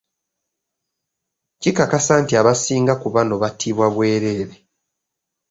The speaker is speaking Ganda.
Kikakasa nti abasinga ku bano battibwa bwereere.